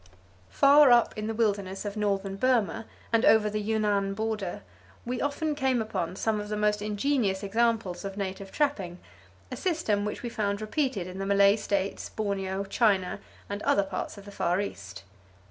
Far up in the wilderness of northern Burma, and over the Yunnan border, we often came upon some of the most ingenious examples of native trapping, a system which we found repeated in the Malay States, Borneo, China and other parts of the Far East.